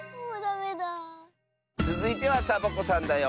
つづいてはサボ子さんだよ！